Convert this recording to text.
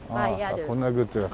ああこんなグッズが。